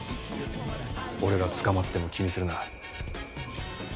俺が捕まっても気にするな。